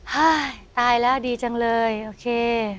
ตายแล้วดีจังเลยโอเค